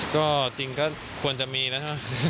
ก็จริงก็ควรจะมีนะครับ